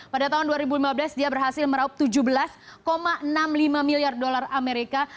pada tahun dua ribu lima belas dia berhasil meraup tujuh belas enam puluh lima miliar dolar amerika